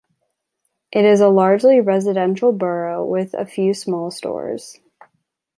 It is a largely residential borough with a few small stores.